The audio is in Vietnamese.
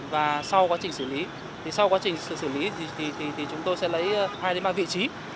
và sau quá trình xử lý thì chúng tôi sẽ lấy hai đến ba vị trí